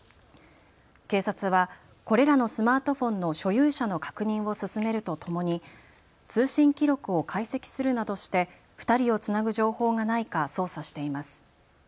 警察はこれらのスマートフォンの所有者の確認を進めるとともに通信記録を解析するなどして２人をつなぐ情報がないか捜査しています。